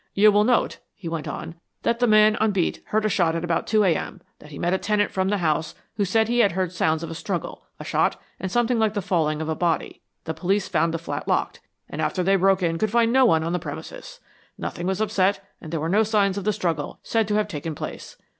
"You will note," he went on, "that the man on beat heard a shot at about 2 A.M.; that he met a tenant from the house who said that he had heard sounds of a struggle, a shot, and something like the falling of a body. The police found the flat locked, and after they broke in could find no one on the premises. Nothing was upset, and there were no signs of the struggle, said to have taken place.